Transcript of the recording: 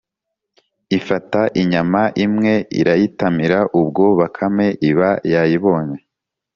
ifata inyama imwe irayitamira, ubwo bakame iba yayibonye,